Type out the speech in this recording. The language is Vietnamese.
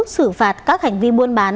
sử phạt các hành vi muôn bán